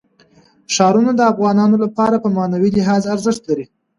ښارونه د افغانانو لپاره په معنوي لحاظ ارزښت لري.